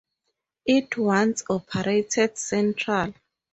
It once operated Central.